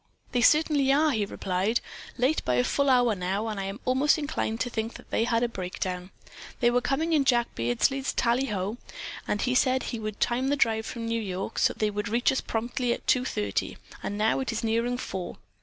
"They certainly are," he replied, "late by a full hour now, and I am almost inclined to think that they had a breakdown. They were coming in Jack Beardsley's tallyho, and he said he would time the drive from New York so that they would reach us promptly at two thirty, and now it is nearing four."